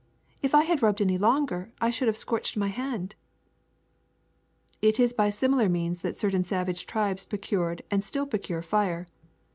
^' If I had rubbed any longer I should have scorched my hand. ''^^ It is by similar means that certain savage tribes procured and still procure fire.